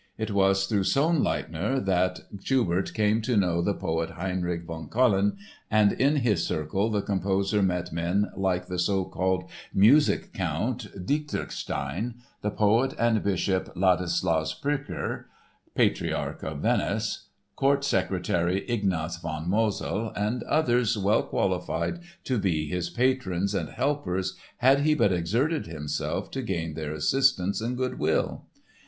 It was through Sonnleithner that Schubert came to know the poet Heinrich von Collin and in his circle the composer met men like the so called "music count" Dietrichstein, the poet and bishop, Ladislaus Pyrker, Patriarch of Venice, court secretary Ignaz von Mosel and others well qualified to be his patrons and helpers had he but exerted himself to gain their assistance and good will.